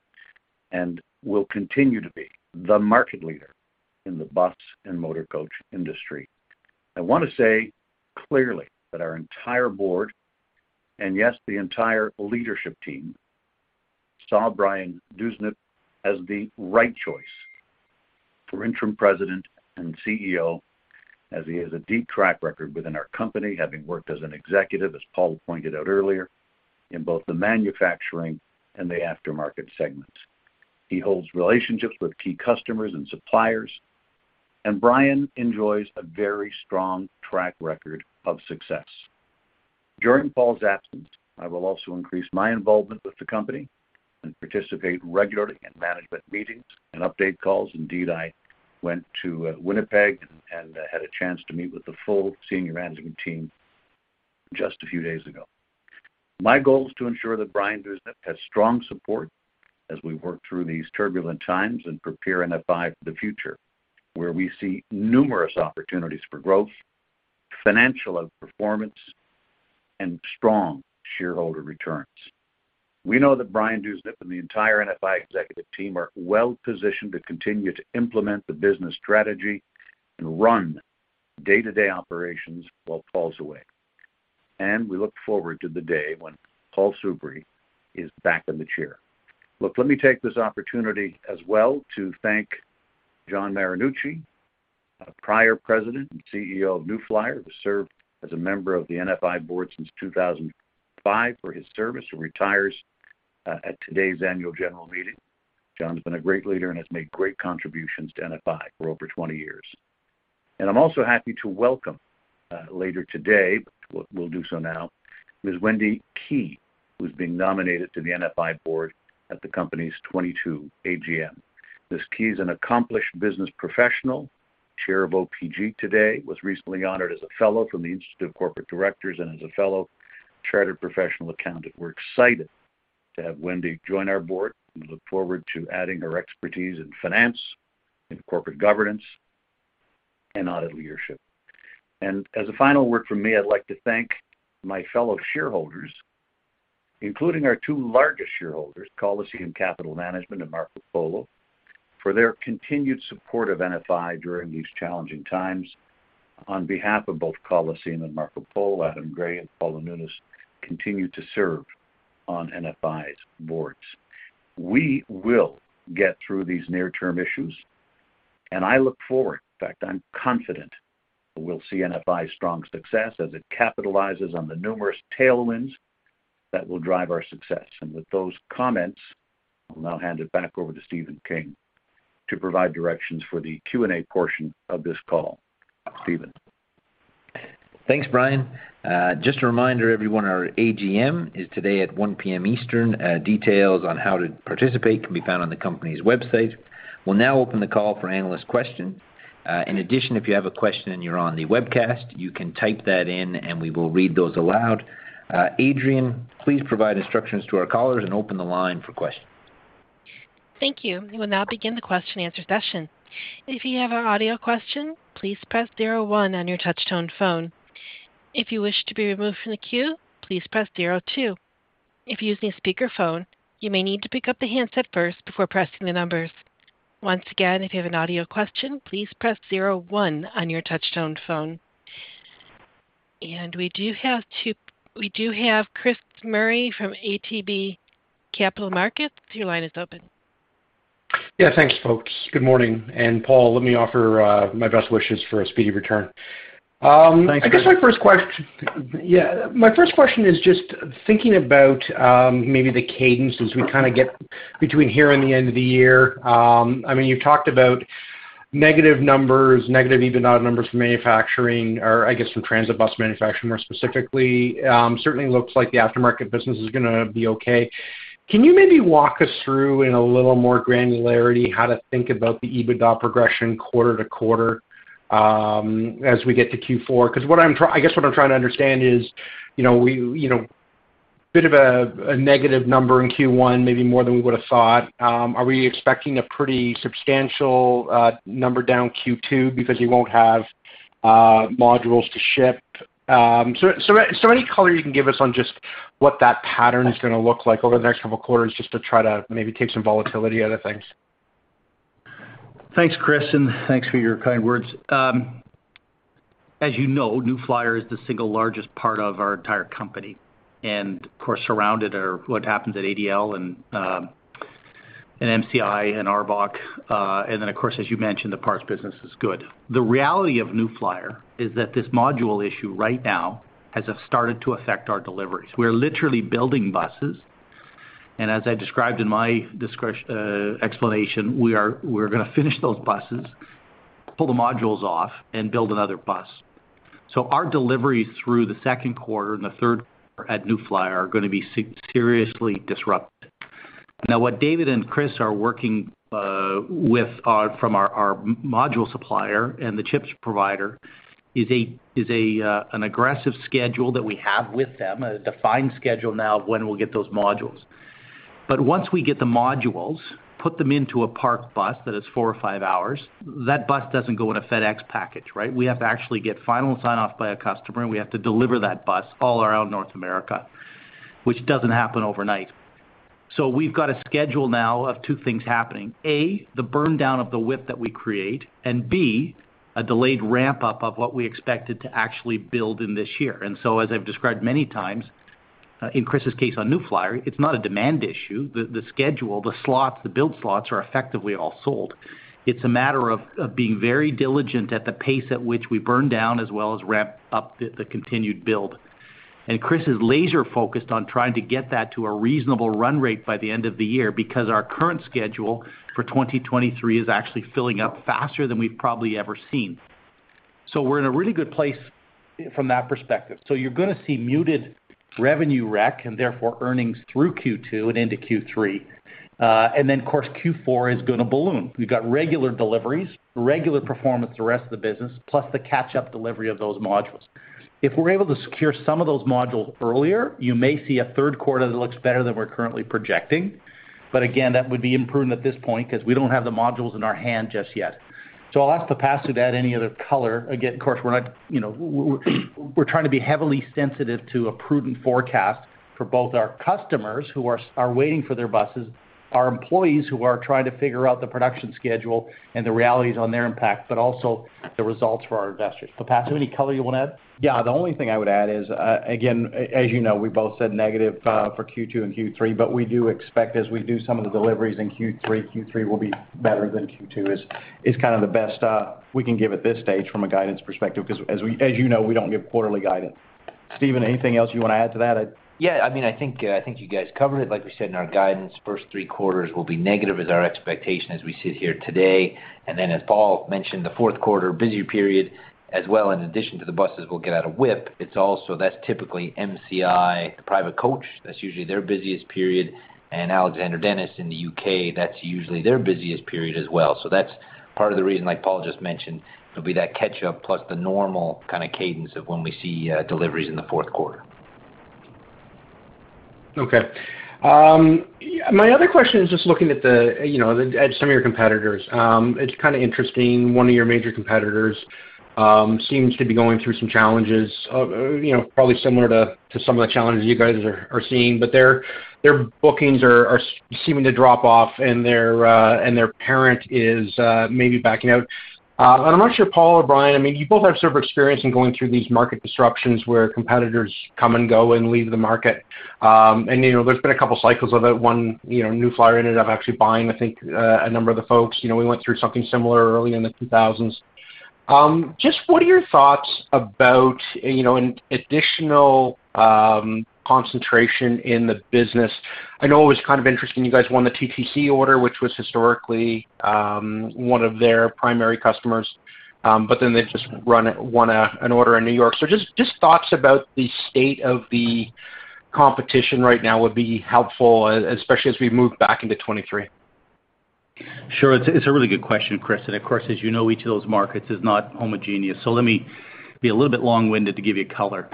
and will continue to be the market leader in the bus and motor coach industry. I want to say clearly that our entire board, and yes, the entire leadership team, saw Brian Dewsnup as the right choice for interim President and CEO, as he has a deep track record within our company, having worked as an executive, as Paul pointed out earlier, in both the manufacturing and the aftermarket segments. He holds relationships with key customers and suppliers, and Brian enjoys a very strong track record of success. During Paul's absence, I will also increase my involvement with the company and participate regularly in management meetings and update calls. Indeed, I went to Winnipeg and had a chance to meet with the full senior management team just a few days ago. My goal is to ensure that Brian Dewsnup has strong support as we work through these turbulent times and prepare NFI for the future, where we see numerous opportunities for growth, financial outperformance, and strong shareholder returns. We know that Brian Dewsnup and the entire NFI executive team are well positioned to continue to implement the business strategy and run day-to-day operations while Paul's away. We look forward to the day when Paul Soubry is back in the chair. Look, let me take this opportunity as well to thank John Marinucci, a prior president and CEO of New Flyer, who served as a member of the NFI board since 2005 for his service. He retires at today's annual general meeting. John's been a great leader and has made great contributions to NFI for over 20 years. I'm also happy to welcome later today, but we'll do so now, Ms. Wendy Kei, who's been nominated to the NFI board at the company's 2022 AGM. Ms. Kei is an accomplished business professional, Chair of OPG today, was recently honored as a fellow from the Institute of Corporate Directors and as a fellow chartered professional accountant. We're excited to have Wendy join our board. We look forward to adding her expertise in finance, in corporate governance, and audit leadership. As a final word from me, I'd like to thank my fellow shareholders, including our two largest shareholders, Coliseum Capital Management and Marcopolo, for their continued support of NFI during these challenging times. On behalf of both Coliseum and Marcopolo, Adam Gray and Paulo Nunes continue to serve on NFI's Board. We will get through these near-term issues, and I look forward, in fact, I'm confident that we'll see NFI's strong success as it capitalizes on the numerous tailwinds that will drive our success. With those comments, I'll now hand it back over to Stephen King to provide directions for the Q&A portion of this call. Stephen. Thanks, Brian. Just a reminder, everyone, our AGM is today at 1:00 P.M. Eastern. Details on how to participate can be found on the company's website. We'll now open the call for analyst questions. In addition, if you have a question and you're on the webcast, you can type that in and we will read those aloud. Adrian, please provide instructions to our callers and open the line for questions. Thank you. We will now begin the question and answer session. If you have an audio question, please press zero one on your touch tone phone. If you wish to be removed from the queue, please press zero two. If you're using a speakerphone, you may need to pick up the handset first before pressing the numbers. Once again, if you have an audio question, please press zero one on your touch tone phone. We do have Chris Murray from ATB Capital Markets. Your line is open. Yeah, thanks, folks. Good morning. Paul, let me offer my best wishes for a speedy return. Thanks, Chris. My first question is just thinking about maybe the cadence as we kind of get between here and the end of the year. I mean, you talked about negative numbers, negative EBITDA numbers from manufacturing, or I guess from transit bus manufacturing, more specifically. Certainly looks like the aftermarket business is gonna be okay. Can you maybe walk us through in a little more granularity how to think about the EBITDA progression quarter to quarter, as we get to Q4? I guess what I'm trying to understand is, you know, we, you know, bit of a negative number in Q1, maybe more than we would have thought. Are we expecting a pretty substantial number down Q2 because you won't have modules to ship? Any color you can give us on just what that pattern is gonna look like over the next couple of quarters just to try to maybe take some volatility out of things? Thanks, Chris, and thanks for your kind words. As you know, New Flyer is the single largest part of our entire company. Of course, so are what happens at ADL and MCI and ARBOC. Of course, as you mentioned, the parts business is good. The reality of New Flyer is that this module issue right now has started to affect our deliveries. We're literally building buses. As I described in my explanation, we're gonna finish those buses, pull the modules off and build another bus. Our deliveries through the second quarter and the third at New Flyer are gonna be seriously disrupted. Now, what David and Chris are working with from our module supplier and the chips provider is an aggressive schedule that we have with them, a defined schedule now of when we'll get those modules. But once we get the modules, put them into a parked bus that is four or five hours, that bus doesn't go in a FedEx package, right? We have to actually get final sign-off by a customer, and we have to deliver that bus all around North America, which doesn't happen overnight. We've got a schedule now of two things happening. A, the burn down of the WIP that we create, and B, a delayed ramp-up of what we expected to actually build in this year. As I've described many times, in Chris's case on New Flyer, it's not a demand issue. The schedule, the slots, the build slots are effectively all sold. It's a matter of of being very diligent at the pace at which we burn down as well as ramp up the continued build. Chris is laser-focused on trying to get that to a reasonable run rate by the end of the year because our current schedule for 2023 is actually filling up faster than we've probably ever seen. We're in a really good place from that perspective. You're gonna see muted revenue rec and therefore earnings through Q2 and into Q3. Then of course, Q4 is gonna balloon. We've got regular deliveries, regular performance the rest of the business, plus the catch-up delivery of those modules. If we're able to secure some of those modules earlier, you may see a third quarter that looks better than we're currently projecting. Again, that would be imprudent at this point 'cause we don't have the modules in our hand just yet. I'll ask Pipasu to add any other color. Again, of course, we're not, you know, we're trying to be heavily sensitive to a prudent forecast for both our customers who are waiting for their buses, our employees who are trying to figure out the production schedule and the realities on their impact, but also the results for our investors. Pipasu, any color you want to add? Yeah. The only thing I would add is, again, as you know, we both said negative for Q2 and Q3, but we do expect as we do some of the deliveries in Q3 will be better than Q2 is kind of the best we can give at this stage from a guidance perspective 'cause as you know, we don't give quarterly guidance. Stephen, anything else you want to add to that? Yeah, I mean, I think you guys covered it. Like we said in our guidance, first three quarters will be negative is our expectation as we sit here today. Then as Paul mentioned, the fourth quarter, busier period as well in addition to the buses we'll get out of WIP. It's also that's typically MCI, the private coach, that's usually their busiest period. Alexander Dennis in the U.K., that's usually their busiest period as well. That's- Part of the reason, like Paul just mentioned, will be that catch up plus the normal kind of cadence of when we see deliveries in the fourth quarter. Okay. My other question is just looking at the, you know, at some of your competitors. It's kind of interesting, one of your major competitors seems to be going through some challenges, you know, probably similar to some of the challenges you guys are seeing, but their bookings are seeming to drop off, and their parent is maybe backing out. I'm not sure, Paul or Brian, I mean, you both have sort of experience in going through these market disruptions where competitors come and go and leave the market. You know, there's been a couple cycles of it. One, you know, New Flyer ended up actually buying, I think, a number of the folks. You know, we went through something similar early in the 2000s. Just what are your thoughts about, you know, an additional concentration in the business? I know it was kind of interesting, you guys won the TTC order, which was historically one of their primary customers, but then they've just won an order in New York. Just thoughts about the state of the competition right now would be helpful, especially as we move back into 2023. Sure. It's a really good question, Chris. Of course, as you know, each of those markets is not homogeneous. Let me be a little bit long-winded to give you color.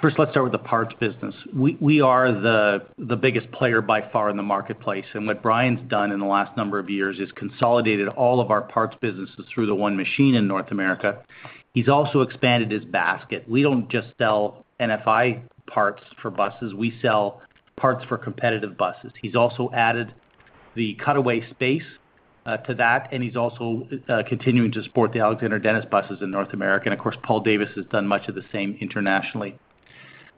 First, let's start with the parts business. We are the biggest player by far in the marketplace. What Brian's done in the last number of years is consolidated all of our parts businesses through the one machine in North America. He's also expanded his basket. We don't just sell NFI Parts for buses, we sell parts for competitive buses. He's also added the cutaway space to that, and he's also continuing to support the Alexander Dennis buses in North America. Of course, Paul Davies has done much of the same internationally.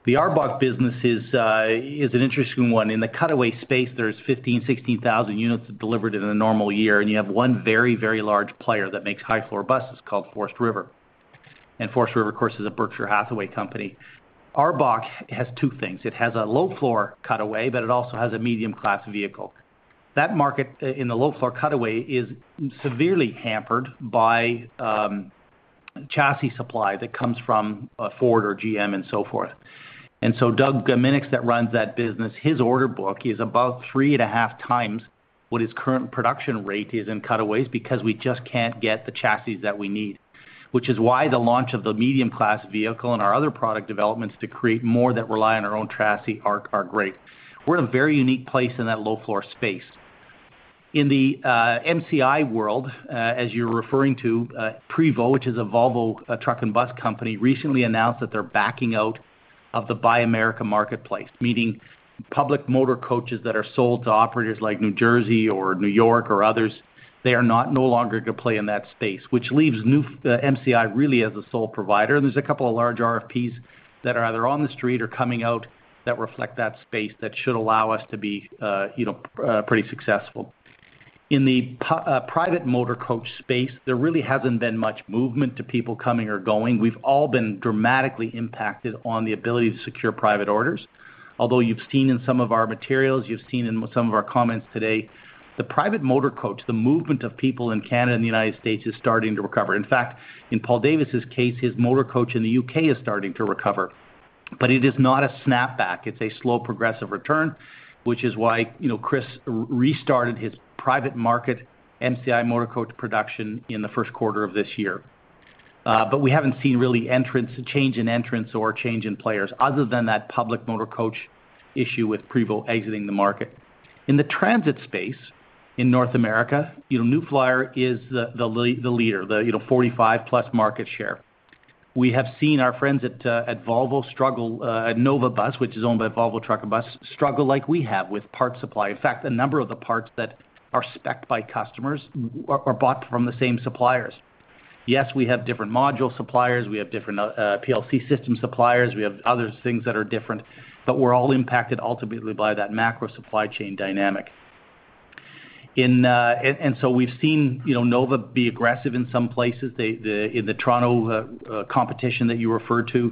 The ARBOC business is an interesting one. In the cutaway space, there's 15,000-16,000 units delivered in a normal year, and you have one very, very large player that makes high floor buses called Forest River. Forest River, of course, is a Berkshire Hathaway company. ARBOC has two things. It has a low floor cutaway, but it also has a medium class vehicle. That market in the low floor cutaway is severely hampered by chassis supply that comes from Ford or GM and so forth. Doug Dominick that runs that business, his order book is about 3.5 times what his current production rate is in cutaways because we just can't get the chassis that we need, which is why the launch of the medium class vehicle and our other product developments to create more that rely on our own chassis are great. We're in a very unique place in that low floor space. In the MCI world, as you're referring to, Prevost, which is a Volvo truck and bus company, recently announced that they're backing out of the Buy America marketplace, meaning public motor coaches that are sold to operators like New Jersey or New York or others, they are not no longer going to play in that space, which leaves MCI really as the sole provider. There's a couple of large RFPs that are either on the street or coming out that reflect that space that should allow us to be, you know, pretty successful. In the private motor coach space, there really hasn't been much movement to people coming or going. We've all been dramatically impacted on the ability to secure private orders. Although you've seen in some of our materials, you've seen in some of our comments today, the private motor coach, the movement of people in Canada and the United States, is starting to recover. In fact, in Paul Davies's case, his motor coach in the UK is starting to recover. It is not a snapback, it's a slow progressive return, which is why, you know, Chris restarted his private market MCI motor coach production in the first quarter of this year. We haven't seen really entrants, change in entrants or change in players other than that public motor coach issue with Prevost exiting the market. In the transit space in North America, you know, New Flyer is the leader, you know, 45%+ market share. We have seen our friends at Volvo struggle at Nova Bus, which is owned by Volvo Trucks, struggle like we have with parts supply. In fact, a number of the parts that are spec'd by customers are bought from the same suppliers. Yes, we have different module suppliers, we have different PLC system suppliers, we have other things that are different, but we're all impacted ultimately by that macro supply chain dynamic. We've seen, you know, Nova be aggressive in some places. They, in the Toronto competition that you referred to,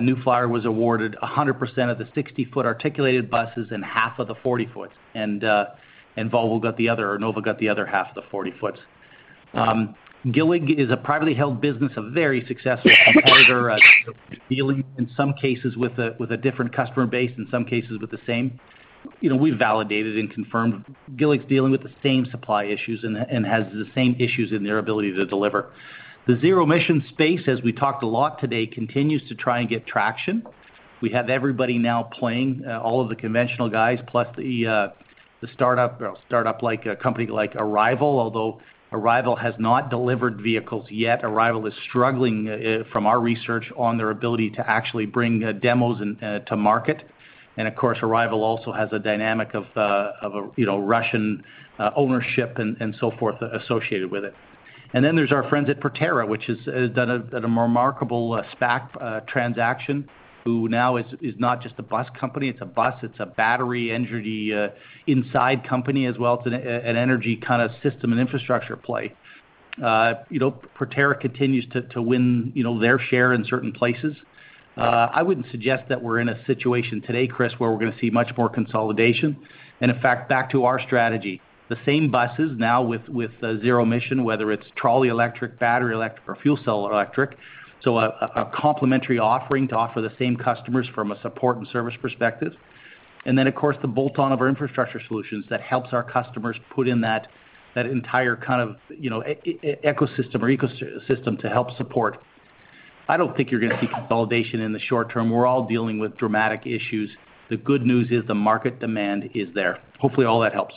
New Flyer was awarded 100% of the 60-foot articulated buses and half of the 40-foots. Volvo got the other or Nova got the other half of the 40-foots. GILLIG is a privately held business, a very successful competitor. Dealing in some cases with a different customer base, in some cases with the same. You know, we've validated and confirmed GILLIG's dealing with the same supply issues and has the same issues in their ability to deliver. The zero-emission space, as we talked a lot today, continues to try and get traction. We have everybody now playing, all of the conventional guys, plus the startup, or startup-like company like Arrival. Although Arrival has not delivered vehicles yet, Arrival is struggling, from our research on their ability to actually bring demos in to market. Of course, Arrival also has a dynamic of a Russian ownership and so forth associated with it. Then there's our friends at Proterra, which has done a remarkable SPAC transaction, who now is not just a bus company, it's a bus, it's a battery energy storage company, as well as an energy kind of system and infrastructure play. You know, Proterra continues to win, you know, their share in certain places. I wouldn't suggest that we're in a situation today, Chris, where we're gonna see much more consolidation. In fact, back to our strategy, the same buses now with zero emission, whether it's trolley electric, battery electric or fuel cell electric, so a complementary offering to offer the same customers from a support and service perspective. Of course, the bolt-on of our infrastructure solutions that helps our customers put in that entire kind of, you know, ecosystem to help support. I don't think you're gonna see consolidation in the short term. We're all dealing with dramatic issues. The good news is the market demand is there. Hopefully, all that helps.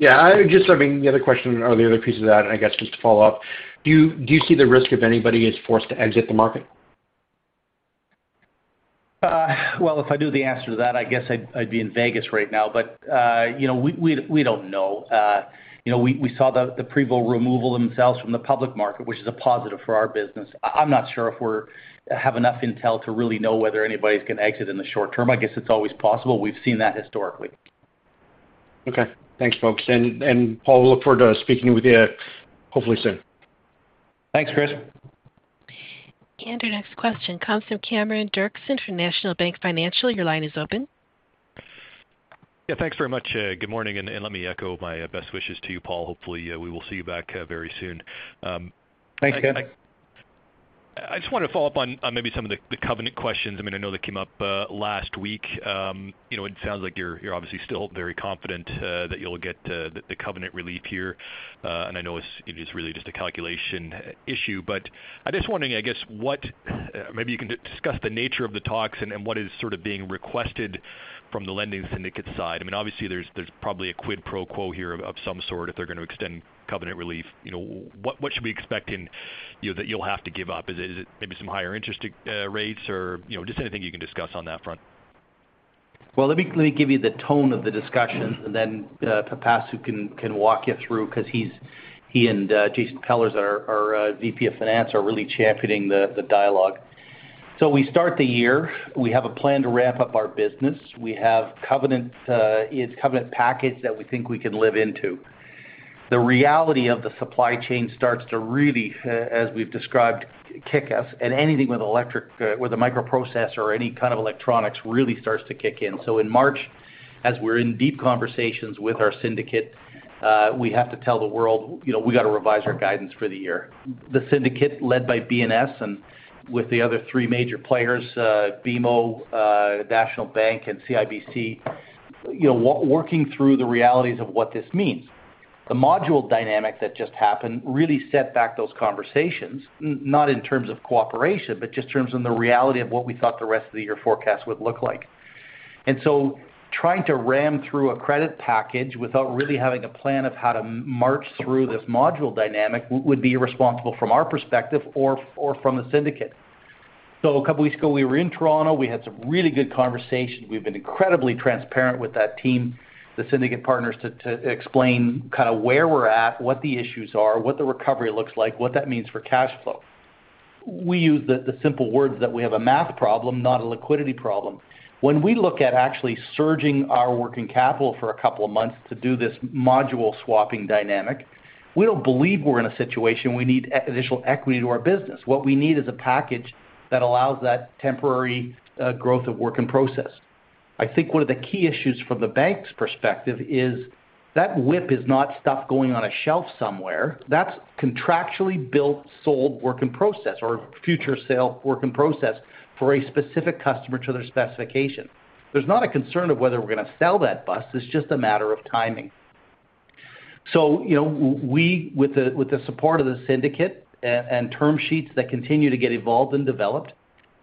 I mean, the other question or the other piece of that, and I guess just to follow up, do you see the risk if anybody is forced to exit the market? Well, if I knew the answer to that, I guess I'd be in Vegas right now. You know, we don't know. You know, we saw the Prevost remove themselves from the public market, which is a positive for our business. I'm not sure if we have enough intel to really know whether anybody's gonna exit in the short term. I guess it's always possible. We've seen that historically. Okay. Thanks, folks. Paul, we look forward to speaking with you hopefully soon. Thanks, Chris. Our next question comes from Cameron Doerksen from National Bank Financial. Your line is open. Yeah, thanks very much. Good morning, and let me echo my best wishes to you, Paul. Hopefully, we will see you back very soon. Thanks, Cam. I just wanna follow up on maybe some of the covenant questions. I mean, I know they came up last week. You know, it sounds like you're obviously still very confident that you'll get the covenant relief here. I know it is really just a calculation issue. I'm just wondering, I guess what maybe you can discuss the nature of the talks and what is sort of being requested from the lending syndicate side. I mean, obviously, there's probably a quid pro quo here of some sort if they're gonna extend covenant relief. You know, what should we expect in that you'll have to give up? Is it maybe some higher interest rates or just anything you can discuss on that front? Well, let me give you the tone of the discussions, and then, Pipasu can walk you through because he and Jason Pellaers, our VP of Finance, are really championing the dialogue. We start the year. We have a plan to ramp up our business. We have covenants, it's covenant package that we think we can live within. The reality of the supply chain starts to really, as we've described, kick us, and anything with electric, with a microprocessor or any kind of electronics really starts to kick in. In March, as we're in deep conversations with our syndicate, we have to tell the world, you know, we gotta revise our guidance for the year. The syndicate led by BNS and with the other three major players, BMO, National Bank and CIBC, you know, working through the realities of what this means. The module dynamic that just happened really set back those conversations, not in terms of cooperation, but just in terms of the reality of what we thought the rest of the year forecast would look like. Trying to ram through a credit package without really having a plan of how to march through this module dynamic would be irresponsible from our perspective or from the syndicate. A couple weeks ago, we were in Toronto. We had some really good conversations. We've been incredibly transparent with that team, the syndicate partners, to explain kinda where we're at, what the issues are, what the recovery looks like, what that means for cash flow. We use the simple words that we have a math problem, not a liquidity problem. When we look at actually surging our working capital for a couple of months to do this module swapping dynamic, we don't believe we're in a situation we need additional equity to our business. What we need is a package that allows that temporary growth of work in process. I think one of the key issues from the bank's perspective is that WIP is not stuff going on a shelf somewhere. That's contractually built, sold work in process or future sale work in process for a specific customer to their specification. There's not a concern of whether we're gonna sell that bus. It's just a matter of timing. You know, we, with the support of the syndicate and term sheets that continue to get evolved and developed,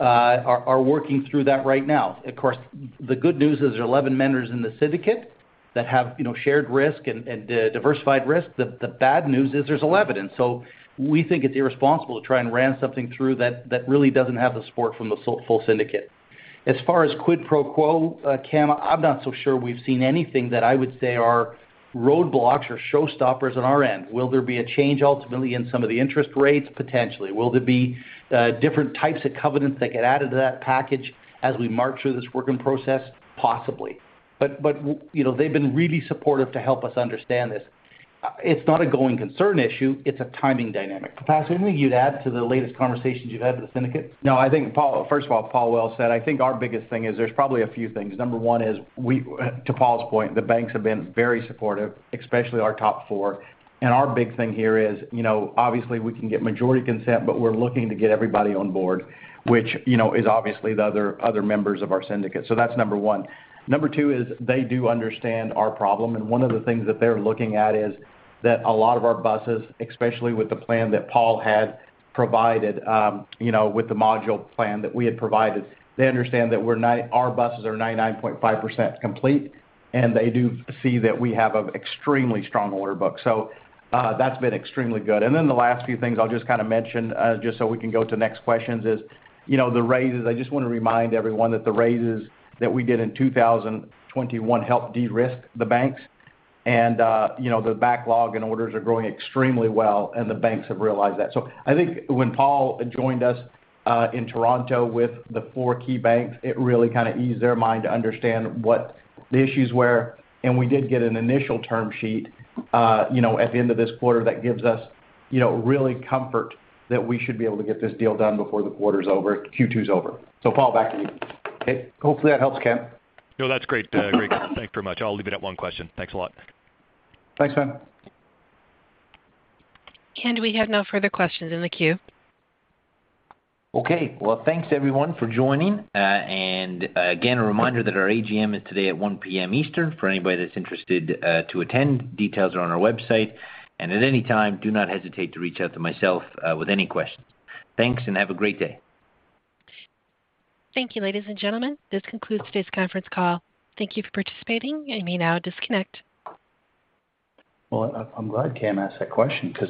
are working through that right now. Of course, the good news is there are 11 vendors in the syndicate that have, you know, shared risk and diversified risk. The bad news is there's 11. We think it's irresponsible to try and ram something through that really doesn't have the support from the full syndicate. As far as quid pro quo, Cam, I'm not so sure we've seen anything that I would say are roadblocks or showstoppers on our end. Will there be a change ultimately in some of the interest rates? Potentially. Will there be different types of covenants that get added to that package as we march through this work in process? Possibly. you know, they've been really supportive to help us understand this. It's not a going concern issue, it's a timing dynamic. Pipasu, anything you'd add to the latest conversations you've had with the syndicate? No. I think Paul, first of all, Paul well said. I think our biggest thing is there's probably a few things. Number one is we, to Paul's point, the banks have been very supportive, especially our top four. Our big thing here is, you know, obviously, we can get majority consent, but we're looking to get everybody on board, which, you know, is obviously the other members of our syndicate. That's number one. Number two is they do understand our problem, and one of the things that they're looking at is that a lot of our buses, especially with the plan that Paul had provided, you know, with the module plan that we had provided, they understand that our buses are 99.5% complete, and they do see that we have an extremely strong order book. That's been extremely good. Then the last few things I'll just kinda mention, just so we can go to the next questions is, you know, the raises. I just wanna remind everyone that the raises that we did in 2021 helped de-risk the banks. You know, the backlog and orders are growing extremely well, and the banks have realized that. I think when Paul joined us, in Toronto with the four key banks, it really kinda eased their mind to understand what the issues were, and we did get an initial term sheet, you know, at the end of this quarter that gives us, you know, really comfort that we should be able to get this deal done before the quarter's over, Q2's over. Paul, back to you. Okay. Hopefully, that helps, Cam. No, that's great. Great. Thank you very much. I'll leave it at one question. Thanks a lot. Thanks, man. We have no further questions in the queue. Okay. Well, thanks everyone for joining. Again, a reminder that our AGM is today at 1:00 P.M. Eastern. For anybody that's interested to attend, details are on our website. At any time, do not hesitate to reach out to myself with any questions. Thanks, and have a great day. Thank you, ladies and gentlemen. This concludes today's conference call. Thank you for participating. You may now disconnect. Well, I'm glad Cam asked that question 'cause